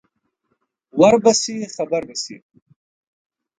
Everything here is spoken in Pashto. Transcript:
ور به شې خبر به شې